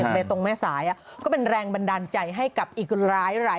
ทางแม่สายก็เป็นแรงบันดาลใจให้กับอีกหลายคนเลยนะคะ